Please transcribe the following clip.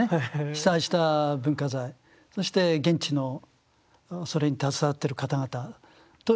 被災した文化財そして現地のそれに携わってる方々と一緒になって研修をする。